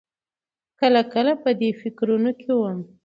کله کله په دې فکرونو کې وم.